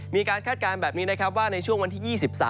คาดการณ์แบบนี้นะครับว่าในช่วงวันที่๒๓